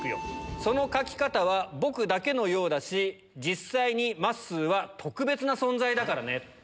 その書き方は僕だけのようだし、実際にマッスーは特別な存在だからね。